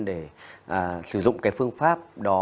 để sử dụng cái phương pháp đó